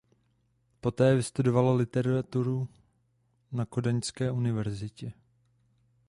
Poté vystudoval literaturu na Kodaňské universitě.